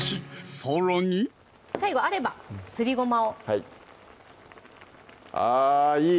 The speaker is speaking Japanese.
さらに最後あればすりごまをはいあぁいい！